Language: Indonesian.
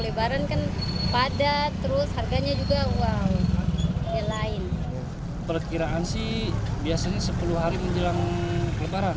lebaran kan padat terus harganya juga wow yang lain perkiraan sih biasanya sepuluh hari menjelang lebaran